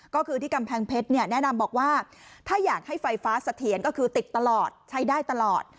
ก็คือที่กำแพงเพชรเนี่ยแนะนำบอกว่าถ้าอยากให้ไฟฟ้าเสถียรก็คือติดตลอดใช้ได้ตลอด